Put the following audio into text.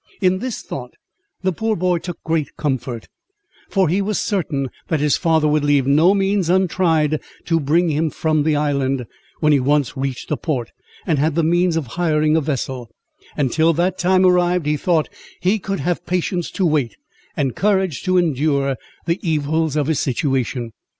In this thought the poor boy took great comfort; for he was certain that his father would leave no means untried to bring him from the island, when he once reached a port, and had the means of hiring a vessel; and till that time arrived, he thought he could have patience to wait, and courage to endure, the evils of his situation.